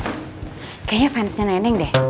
kayaknya fansnya neneng deh